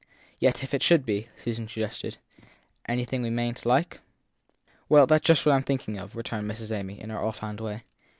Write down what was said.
. Yet if it should be/ Susan suggested, anything we mayn t like? Well, that s just what I m thinking of, returned Miss Amy in her offhand way.